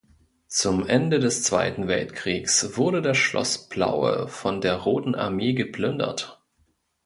Zum Ende des Zweiten Weltkriegs wurde das Schloss Plaue von der Roten Armee geplündert.